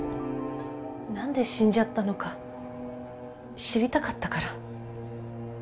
何で死んじゃったのか知りたかったから。